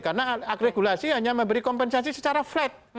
karena akregulasi hanya memberi kompensasi secara flat